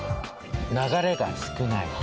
流れが少ない。